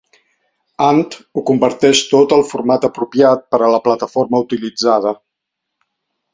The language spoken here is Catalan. Ant ho converteix tot al format apropiat per a la plataforma utilitzada.